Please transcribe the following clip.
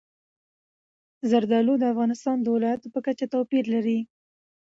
زردالو د افغانستان د ولایاتو په کچه توپیر لري.